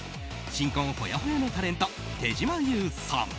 新婚ほやほやのタレント手島優さん。